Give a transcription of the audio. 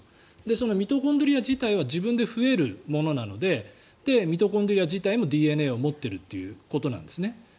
そのミトコンドリア自体は自分で増えるものなのでミトコンドリア自体もＤＮＡを持っているということなんですね。